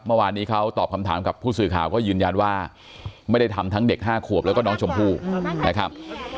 เมื่อวานนี้เขาตอบคำถามกับผู้สื่อข่าวก็ยืนยันว่าไม่ได้ทำทั้งเด็ก๕ขวบแล้วก็น้องชมพู่นะครับ